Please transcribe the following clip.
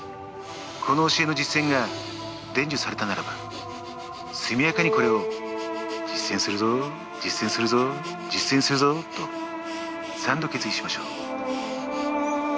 この教えの実践が伝授されたならば速やかにこれを「実践するぞ実践するぞ実践するぞ」と三度決意しましょう。